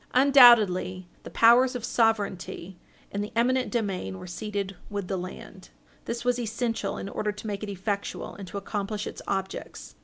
Undoubtedly the powers of sovereignty and the eminent domain were ceded with the land. This was essential in order to make it effectual and to accomplish its objects.